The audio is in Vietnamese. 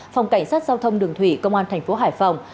phòng cảnh sát giao thông đường thủy công an tp hải phòng